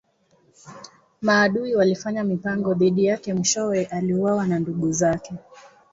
Maadui walifanya mipango dhidi yake mwishowe aliuawa na ndugu zake.